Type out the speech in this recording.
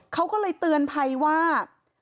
เขาก็เลยเตือนภัยว่า